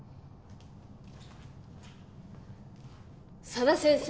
佐田先生